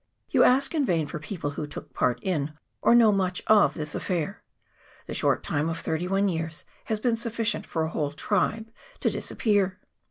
You ask in vain for people who took part in, or know much of, this affair : the short time of thirty one years has been sufficient for a whole tribe to disappear.